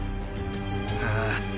ああ。